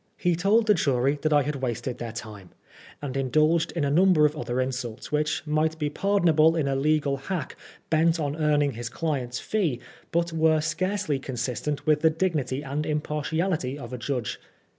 He told the jury that I had wasted their time, and indulged in a number of other insults, which might be pardonable in a legal hack bent on earning his client's fee, but were scarcely consistent with the dignity and impartiality of a judge.